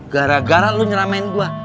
gara gara lu nyeramain gue